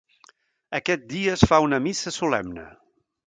Aquest dia es fa una Missa Solemne.